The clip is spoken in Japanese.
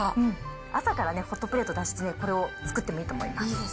朝からね、ホットプレート出してね、これを作ってもいいと思います。